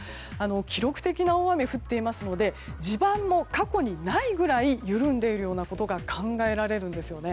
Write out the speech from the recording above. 記録的な大雨が降っていますので地盤も過去にないくらい緩んでいるようなことが考えられるんですよね。